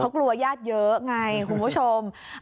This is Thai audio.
เขากลัวญาติเยอะไงคุณผู้ชม